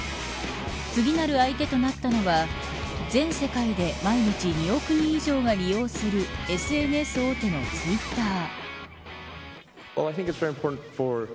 次なる相手となったのは全世界で毎日２億人以上が利用するＳＮＳ大手のツイッター。